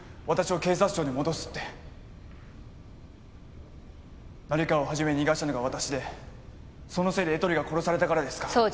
私を警察庁に戻すって成川をはじめ逃がしたのが私でそのせいでエトリが殺されたからですか？